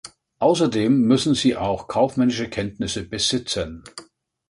Außerdem müssen sie auch kaufmännische Kenntnisse besitzen.